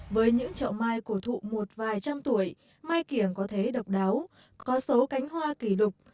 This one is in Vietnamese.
với những chậu mai cổ thụ một vài trăm tuổi mai kiểng có thế độc đáo có số cánh hoa kỷ lục